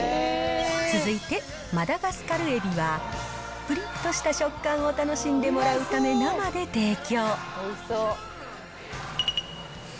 続いて、マダガスカル海老は、ぷりっとした食感を楽しんでもらうため、生で提供。